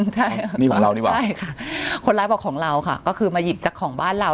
ใช่ค่ะคนร้ายบอกของเราค่ะก็คือมาหยิบจากของบ้านเรา